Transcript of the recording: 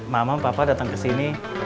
mamam papa datang kesini